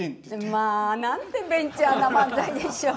まあなんてベンチャーな漫才でしょう。